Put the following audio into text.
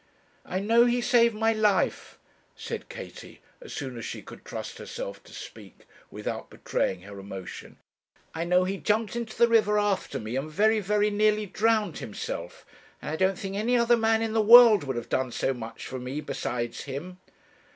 'I know he saved my life,' said Katie, as soon as she could trust herself to speak without betraying her emotion 'I know he jumped into the river after me, and very, very nearly drowned himself; and I don't think any other man in the world would have done so much for me besides him.'